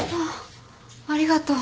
ありがとう。